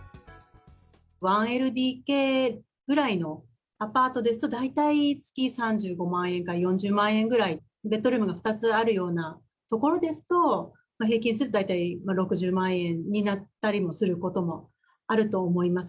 １ＬＤＫぐらいのアパートですと、大体、月３５万円から４０万円ぐらい。ベッドルームが２つあるような所ですと、平均すると大体６０万円になったりすることもあると思います。